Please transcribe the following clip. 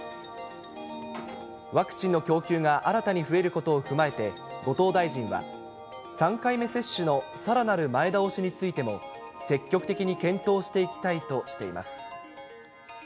ワクチンの供給が新たに増えることを踏まえて後藤大臣は、３回目接種のさらなる前倒しについても、積極的に検討していきたいとしています。